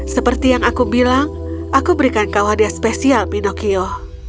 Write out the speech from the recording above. seperti yang aku bilang aku berikan kau hadiah spesial pinocchio